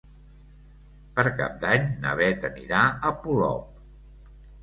Per Cap d'Any na Beth anirà a Polop.